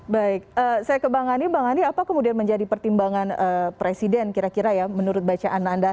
baik saya ke bang ani bang ani apa kemudian menjadi pertimbangan presiden kira kira ya menurut bacaan anda